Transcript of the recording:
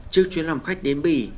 trước chuyến lòng khách đến bỉ